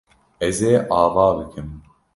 Ez ê ava bikim.